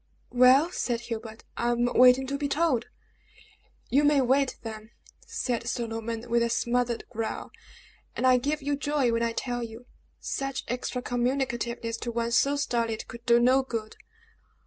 "Well," said Hubert, "I am waiting to be told." "You may wait, then!" said Sir Norman, with a smothered growl; "and I give you joy when I tell you. Such extra communicativeness to one so stolid could do no good!"